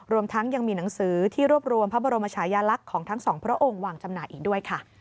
รวมทั้งยังมีหนังสือที่รวบรวมพระบรมชายลักษณ์ของทั้งสองพระองค์วางจำหน่ายอีกด้วยค่ะ